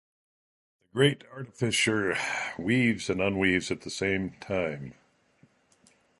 The great artificer weaves and unweaves at the same time.